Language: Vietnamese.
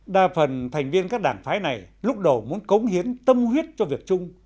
đa phần thành viên các đảng phái này lúc đầu muốn cống hiến tâm huyết cho việc chung